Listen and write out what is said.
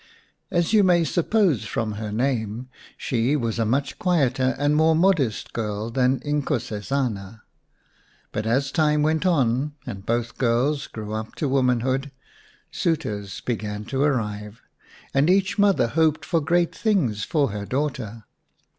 As you may suppose from her name, she was a much quieter and more modest girl than Inkosesana. But as time went on and both girls grew up to woman hood suitors began to arrive, and each mother hoped for great things for her daughter.